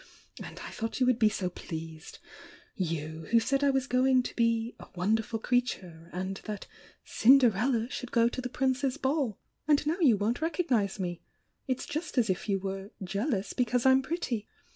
And I thought you would be so pleased!— you, who said I was going to be 'a wonderful creature,' and that 'Cinderella should go to the Prince's Ball!' And now you won't recognise me!— it's just as if you were 'jealous because I'm pretty!'